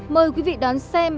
mời quý vị đón xem